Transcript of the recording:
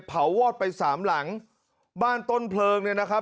วอดไปสามหลังบ้านต้นเพลิงเนี่ยนะครับ